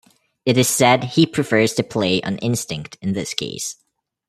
It is said he prefers to play on instinct in this case.